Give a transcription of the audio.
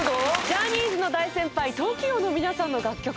ジャニーズの大先輩ＴＯＫＩＯの皆さんの楽曲